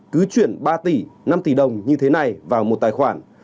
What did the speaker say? cứ chuyển ba tỷ năm tỷ đồng như thế này vào một tài khoản